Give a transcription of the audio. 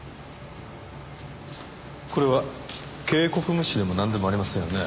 これは警告無視でもなんでもありませんよね？